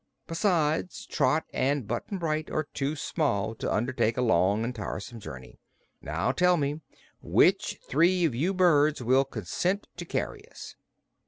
Besides, Trot an' Button Bright are too small to undertake a long and tiresome journey. Now, tell me: Which three of you birds will consent to carry us?"